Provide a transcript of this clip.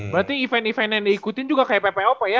berarti event event yang diikutin juga kayak ppop ya